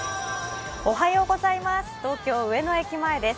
東京・上野駅前です。